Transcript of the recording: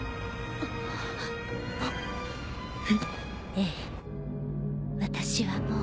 ええ私はもう。